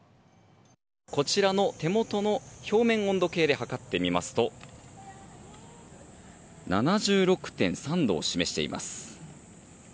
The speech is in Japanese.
こちらの手元の表面温度計で測ってみますと７６．３度を示しています。